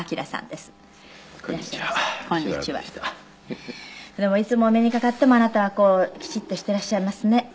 でもいつお目にかかってもあなたはこうきちっとしていらっしゃいますね。